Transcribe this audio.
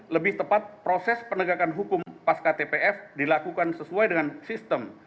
lebih tepat proses penegakan hukum pas ktpf dilakukan sesuai dengan sistem